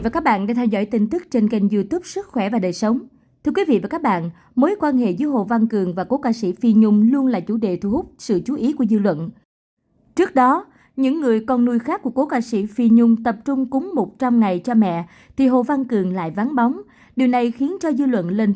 các bạn hãy đăng ký kênh để ủng hộ kênh của chúng mình nhé